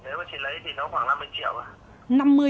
nếu mà chị lấy thì nó khoảng năm mươi triệu ạ